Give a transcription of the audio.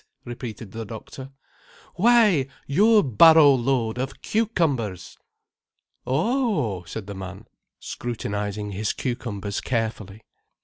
repeated the doctor. "Why your barrow load of cucumbers." "Oh," said the man, scrutinizing his cucumbers carefully.